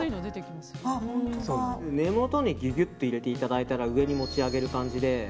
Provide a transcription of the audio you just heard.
根本にギュギュッと入れていただいたら上に持ち上げる感じで。